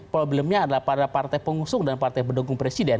problemnya adalah pada partai pengusung dan partai pendukung presiden